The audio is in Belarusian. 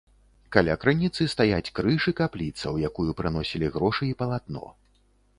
Каля крыніцы стаяць крыж і капліца, у якую прыносілі грошы і палатно.